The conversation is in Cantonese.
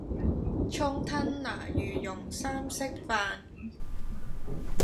蔥吞拿魚腩茸三色飯